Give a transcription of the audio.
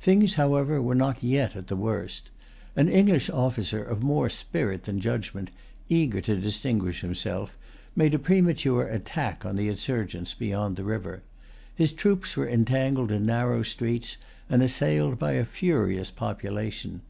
Things, however, were not yet at the worst. An English officer of more spirit than judgment, eager to distinguish himself, made a premature attack on the insurgents beyond the river. His troops were entangled in narrow streets, and assailed by a furious population.